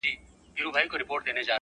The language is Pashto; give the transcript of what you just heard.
• چي شرمېږي له سرونو بګړۍ ورو ورو,